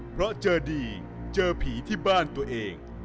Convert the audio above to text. เพราะเจอดีเจอผีที่บ้านตัวเอง